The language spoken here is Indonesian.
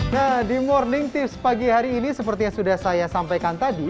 nah di morning tips pagi hari ini seperti yang sudah saya sampaikan tadi